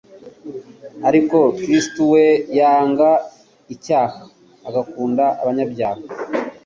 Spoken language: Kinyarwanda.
Ariko Kristo we yanga icyaha agakunda abanyabyaha.